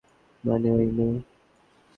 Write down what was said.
মানে ওই মেয়ে?